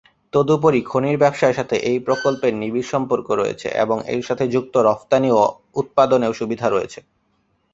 তদুপরি, খনির ব্যবসার সাথে এই প্রকল্পের নিবিড় সম্পর্ক রয়েছে এবং এর সাথে যুক্ত রফতানি ও উৎপাদন সুবিধাও রয়েছে।